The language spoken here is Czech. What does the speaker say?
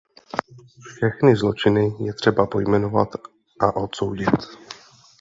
Všechny zločiny je třeba pojmenovat a odsoudit.